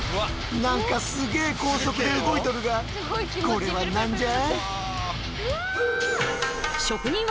何かすげえ高速で動いとるがこれは何じゃ？